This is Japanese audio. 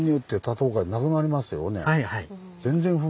はいはい。